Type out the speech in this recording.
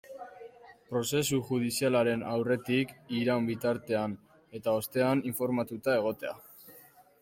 Prozesu judizialaren aurretik, iraun bitartean eta ostean informatuta egotea.